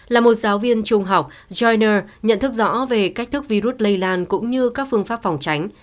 là một giáo viên trung học joyna nhận thức rõ về cách thức virus lây lan cũng như các phương pháp phòng tránh